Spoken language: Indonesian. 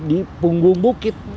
di punggung bukit